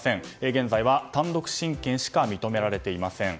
現在は単独親権しか認められていません。